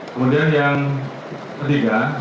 kemudian yang ketiga